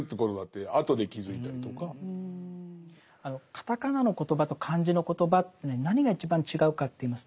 カタカナのコトバと漢字の言葉ってね何が一番違うかといいますとね